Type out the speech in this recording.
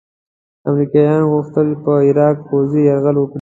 امریکا غوښتل په عراق پوځي یرغل وکړي.